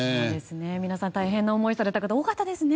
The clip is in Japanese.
皆さん、大変な思いをされた方、多かったですね。